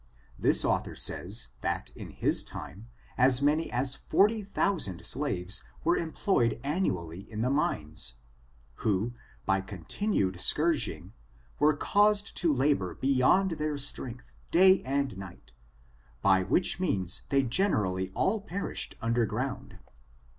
This author says, thai, in his times, as many as forty thousand slaves were employed an nually in the mines, who, by continued scourging, were caused to labor beyond their strength, day and i FORTUNES, OF THE NEGRO RACE. 309 night, by which means they generally all perished tinder ground.